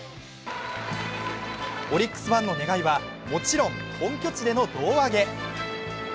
オリックスファンの願いはもちろん本拠地での胴上げ。